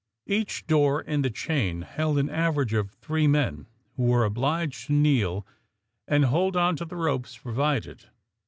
Each door in the chain held an average of three men, who were obliged to kneel and hold on to the ropes provided.